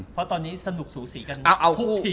เพราะตอนนี้สนุกสูสีกันมาก